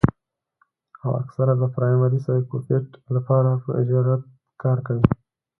او اکثر د پرائمري سايکوپېت له پاره پۀ اجرت کار کوي